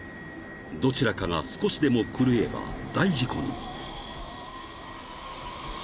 ［どちらかが少しでも狂えば大事故に］